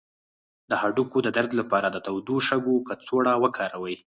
د هډوکو د درد لپاره د تودو شګو کڅوړه وکاروئ